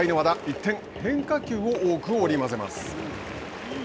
一転、変化球を多く織り交ぜます。